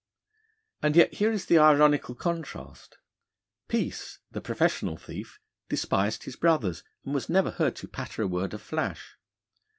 And yet here is the ironical contrast. Peace, the professional thief, despised his brothers, and was never heard to patter a word of flash.